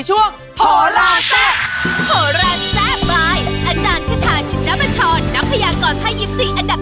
โชคดีครับสวัสดีครับ